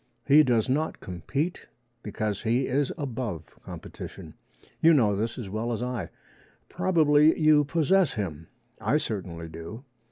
He does not compete, because he is above competition. You know this as well as I. Probably you possess him. I certainly do.